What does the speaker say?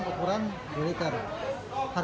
satu orang satu kemasan